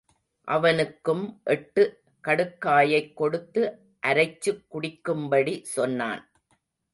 அவனுக்கும் எட்டு கடுக்காயைக் கொடுத்து அரைச்சுக் குடிக்கும்படி சொன்னான்.